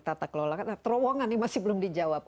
tata kelola terowongan yang masih belum dijawab